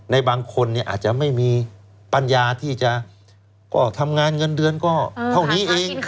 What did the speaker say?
บางคนอาจจะไม่มีปัญญาที่จะก็ทำงานเงินเดือนก็เท่านี้เอง